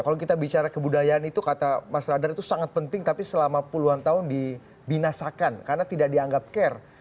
kalau kita bicara kebudayaan itu kata mas radar itu sangat penting tapi selama puluhan tahun dibinasakan karena tidak dianggap care